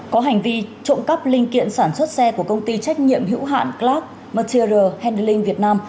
có hành vi trộm cắp linh kiện sản xuất xe của công ty trách nhiệm hữu hạn clark matther hendling việt nam